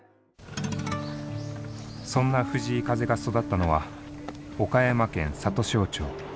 そんな藤井風が育ったのは岡山県里庄町。